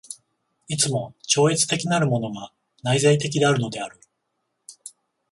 いつも超越的なるものが内在的であるのである。